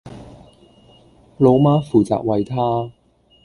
老媽負責餵她